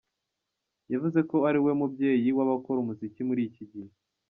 Yavuze ko ari we mubyeyi w’abakora umuziki muri iki gihe.